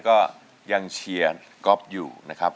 ก็ยังเชียร์ก๊อฟอยู่นะครับ